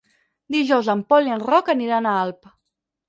Dijous en Pol i en Roc aniran a Alp.